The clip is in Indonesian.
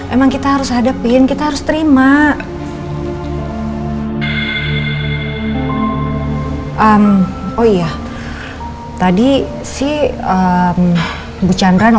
emang kita harus hadep ini kita harus terima